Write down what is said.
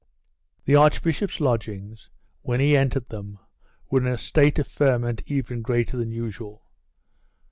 The archbishop's lodgings, when he entered them, were in a state of ferment even greater than usual.